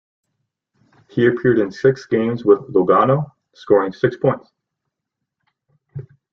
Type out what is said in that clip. He appeared in six games with Lugano, scoring six points.